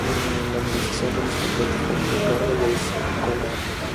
La negociación de los contratos fue muy larga y a veces enconada.